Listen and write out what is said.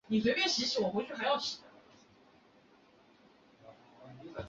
海伦娜区域机场为城市提供服务。